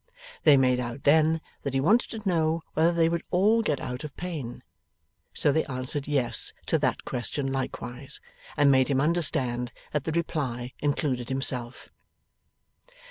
They made out then, that he wanted to know whether they would all get out of pain? So they answered yes to that question likewise, and made him understand that the reply included himself.